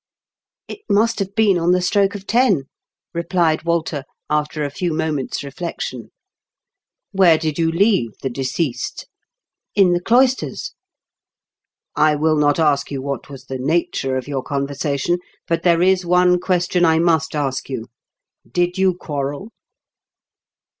" It must have been on the stroke of ten," replied Walter, after a few moments' reflection. " Where did you leave the deceased V " In the cloisters." " I wUl not ask you what was the nature of your conversation ; but there is one question I must ask you. Did you quarrel